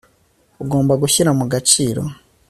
ugomba gushyira mu gaciro